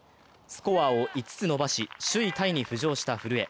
スコアを５つ伸ばし、首位タイに浮上した古江。